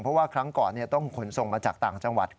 เพราะว่าครั้งก่อนต้องขนส่งมาจากต่างจังหวัด